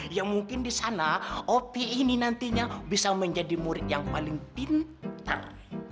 yang mungkin di sana opi ini nantinya bisa menjadi murid yang paling pintar